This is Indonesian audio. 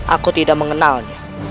aku tidak mengenalnya